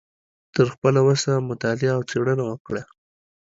تر خپله وسه مطالعه او څیړنه وکړه